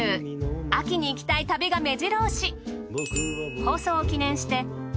秋に行きたい旅がめじろ押し。